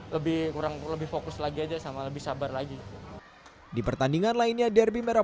lebih kurang lebih fokus lagi aja sama lebih sabar lagi di pertandingan lainnya derby merah